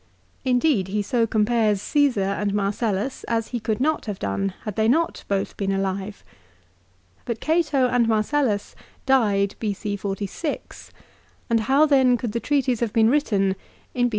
Indeed he so compares Caesar and Marcellus as he could not have done had they not both been alive. But Cato and Marcellus died B.C. 46, and how then could the treatise have been written in B.